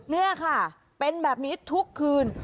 นี่ค่ะเป็นแบบนี้ทุกคืน